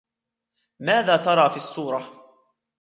ماذا ترى في الصورة ؟